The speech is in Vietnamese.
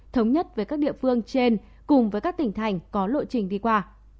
thống nhất với các địa phương trên cùng với các tỉnh thành có lộ trình đi qua